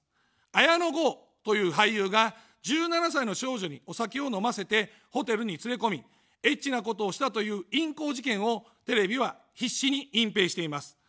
綾野剛という俳優が１７歳の少女にお酒を飲ませて、ホテルに連れ込み、エッチなことをしたという淫行事件をテレビは必死に隠蔽しています。